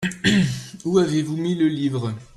Où avez-vous mis le livre ?